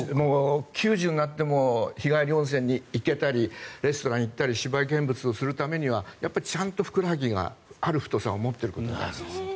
９０になっても日帰り温泉に行けたりレストランに行ったり芝居見物をするためにはちゃんとふくらはぎがある太さを持っていること。